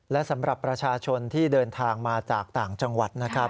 และสำหรับประชาชนที่เดินทางมาจากต่างจังหวัดนะครับ